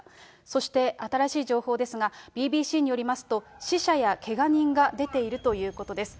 そして新しい情報ですが、ＢＢＣによりますと、死者やけが人が出ているということです。